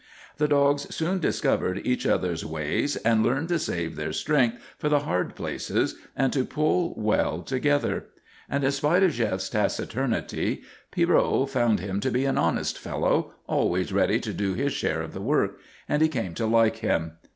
The dogs soon discovered each other's ways and learned to save their strength for the hard places and to pull well together. And in spite of Jef's taciturnity, Pierrot found him to be an honest fellow, always ready to do his share of the work, and he came to like him.